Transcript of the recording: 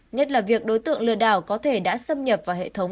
nhất là việc đối tượng lừa đảo có thể đã xâm nhập vào hệ thống